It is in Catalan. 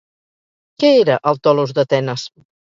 Què era el tolos d'Atenes?